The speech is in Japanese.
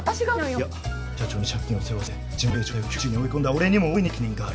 いや社長に借金を背負わせて事務所の経営状態を窮地に追い込んだ俺にも大いに責任がある。